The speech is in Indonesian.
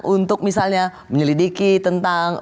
untuk misalnya menyelidiki tentang